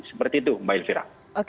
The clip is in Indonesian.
seperti itu mbak elvira